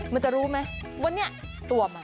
มันจะรู้ไหมว่าเนี่ยตัวมัน